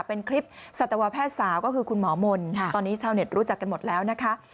เป็นคลิปสัตวแพทย์สาวก็คือคุณหมอมนต์ตอนนี้ชาวเน็ตรู้จักกันหมดแล้วนะคะ